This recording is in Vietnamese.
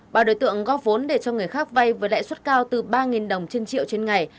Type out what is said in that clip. ba đối tượng góp vốn để cho người khác vay với lãi suất cao từ ba đồng trên triệu trên ngày